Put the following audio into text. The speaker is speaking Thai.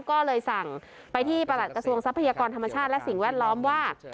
ก็เลยสั่งไปที่ประหลัดกระทรวงทรัพยากรธรรมชาติและสิ่งแวดล้อมว่า